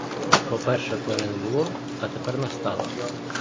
Бо перше пори не було, а тепер настала.